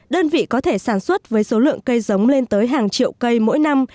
đơn vị có thể sản xuất với số lượng cây giống lên tới hàng triệu cây mỗi năm